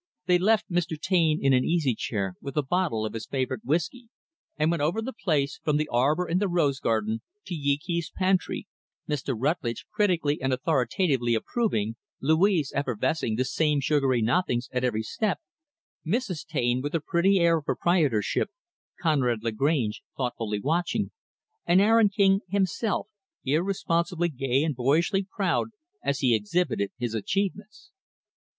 They left Mr. Taine in an easy chair, with a bottle of his favorite whisky; and went over the place from the arbor in the rose garden to Yee Kee's pantry Mr. Rutlidge, critically and authoritatively approving; Louise, effervescing the same sugary nothings at every step; Mrs. Taine, with a pretty air of proprietorship; Conrad Lagrange, thoughtfully watching; and Aaron King, himself, irresponsibly gay and boyishly proud as he exhibited his achievements.